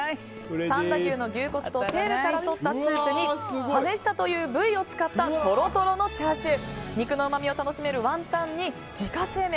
三田牛の牛骨とテールからとったスープにハネシタという部位を使ったトロトロのチャーシュー肉のうまみを楽しめるワンタンに自家製麺。